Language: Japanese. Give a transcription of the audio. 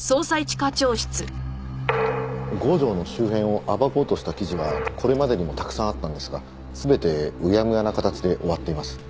郷城の周辺を暴こうとした記事はこれまでにもたくさんあったんですが全てうやむやな形で終わっています。